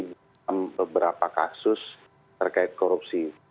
dalam beberapa kasus terkait korupsi